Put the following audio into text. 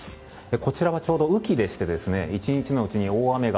こちらはちょうど、雨季でして１日のうちに大雨が